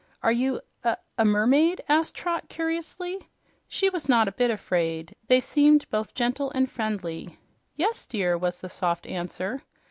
"Are you a a mermaid?" asked Trot curiously. She was not a bit afraid. They seemed both gentle and friendly. "Yes, dear," was the soft answer.